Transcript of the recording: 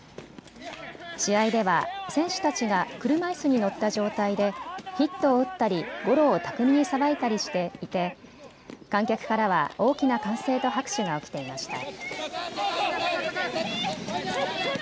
試合では選手たちが車いすに乗った状態でヒットを打ったりゴロを巧みにさばいたりしていて観客からは大きな歓声と拍手が起きていました。